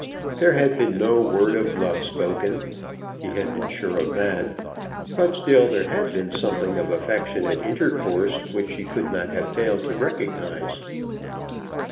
There had been no word of love spoken. He had been sure of that. But still there had been something of affectionate intercourse which she could not have failed to recognize.